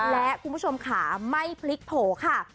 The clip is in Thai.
และคุณผู้ชมขาไม่พลิกโผล่ค่ะ